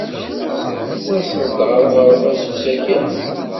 Tettased-d ɣer uɣerbaz s usakal?